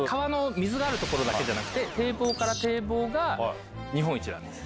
水がある所だけじゃなくて堤防から堤防が日本一なんです。